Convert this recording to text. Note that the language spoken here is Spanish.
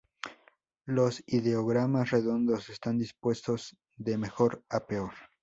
Los ideogramas redondos están dispuestos de mejor a peor.